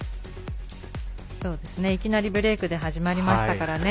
いきなりブレークで始まりましたからね。